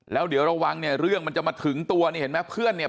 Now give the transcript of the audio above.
แล้วเดี๋ยวระวังเนี่ยเรื่องมันจะมาถึงตัวนี่เห็นไหมเพื่อนเนี่ย